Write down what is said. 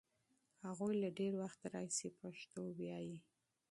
هغوی له ډېر وخت راهیسې پښتو لولي.